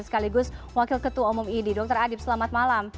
sekaligus wakil ketua umum idi dr adib selamat malam